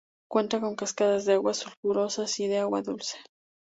Cuenta con cascadas de aguas sulfurosas y de agua dulce.